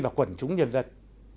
và quần chúng nhân dân